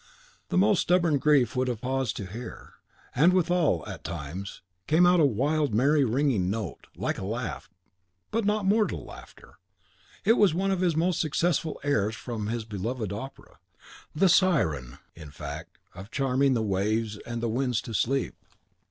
The most stubborn grief would have paused to hear; and withal, at times, out came a wild, merry, ringing note, like a laugh, but not mortal laughter. It was one of his most successful airs from his beloved opera, the Siren in the act of charming the waves and the winds to sleep.